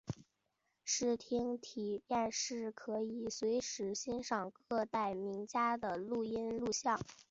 视听体验室中可以随时欣赏各代名家的录音录像。